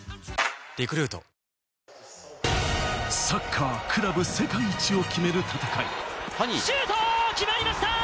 サッカークラブ世界一を決める戦い。